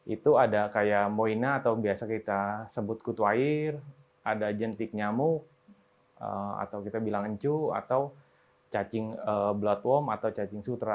itu ada kayak moina atau biasa kita sebut kutu air ada jentik nyamuk atau kita bilang encu atau cacing bloodwom atau cacing sutra